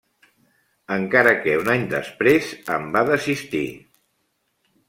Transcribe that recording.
Encara que un any després en va desistir.